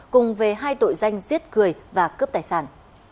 cùng về hai tội danh giết người và cướp tài sản